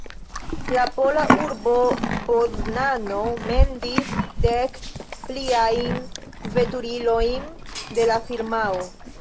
La pola urbo Poznano mendis dek pliajn veturilojn de la firmao.